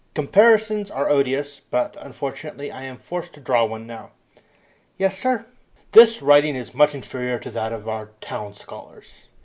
"Comparisons are odious, but, unfortunately, I am forced to draw one now." "Yes, sir." "This writing is much inferior to that of town scholars.